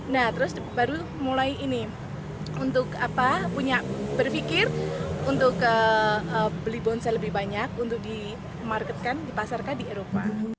nah terus baru mulai ini untuk berpikir untuk beli bonsai lebih banyak untuk dimarketkan dipasarkan di eropa